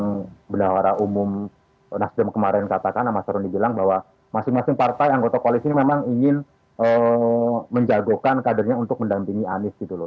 yang benar benar umum nasdem kemarin katakan amasaruni bilang bahwa masing masing partai anggota koalisi ini memang ingin menjagokan kadernya untuk mendampingi anies gitu loh